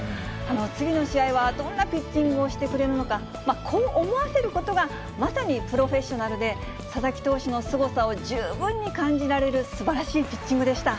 次の試合はどんなピッチングをしてくれるのか、こう思わせることがまさにプロフェッショナルで、佐々木投手のすごさを十分に感じられるすばらしいピッチングでした。